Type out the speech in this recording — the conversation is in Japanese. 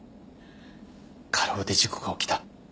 過労で事故が起きた。